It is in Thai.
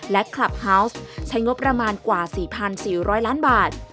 และคลับเฮาวส์ใช้งบประมาณกว่า๔๔๐๐ล้านบาท